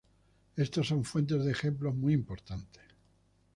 Estos son fuente de ejemplos muy importantes.